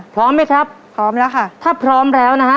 พร้อมไหมครับพร้อมแล้วค่ะ